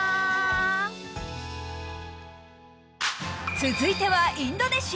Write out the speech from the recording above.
続いては、インドネシア。